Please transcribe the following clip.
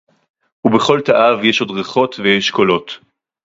וּבְכָל תָּאָיו עוֹד יֵשׁ רֵיחוֹת וְיֵשׁ קוֹלוֹת